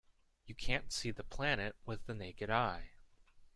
You can't see the planet with the naked eye.